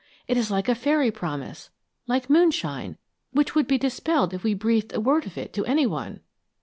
It is like a fairy promise, like moonshine, which would be dispelled if we breathed a word of it to anyone."